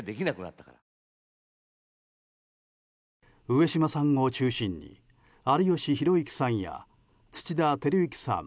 上島さんを中心に有吉弘行さんや、土田晃之さん